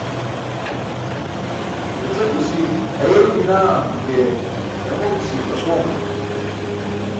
Gaćekuśi ayeykinaa ke, ḍamokuśi akoomayma.